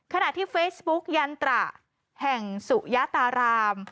ขณะที่เฟซบุ๊กยันตระแห่งสุยตาราม